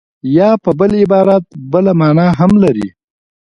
یا په بل عبارت بله مانا هم لري